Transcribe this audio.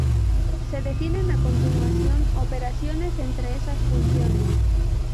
Se definen a continuación operaciones entre esas funciones.